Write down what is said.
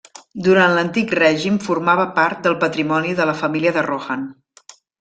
Durant l'Antic Règim, formava part del patrimoni de la família de Rohan.